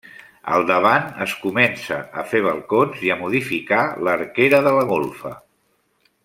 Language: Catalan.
Al davant es comença a fer balcons i a modificar l'arquera de la golfa.